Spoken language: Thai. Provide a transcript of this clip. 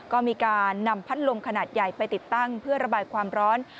ก็มีการนำพัดลมขนาดใหญ่ไปติดตั้งเพื่อระบายความร้อน